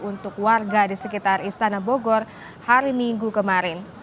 untuk warga di sekitar istana bogor hari minggu kemarin